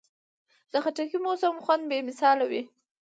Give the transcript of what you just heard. د خټکي موسمي خوند بې مثاله وي.